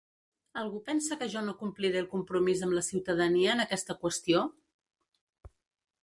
Algú pensa que jo no compliré el compromís amb la ciutadania en aquesta qüestió?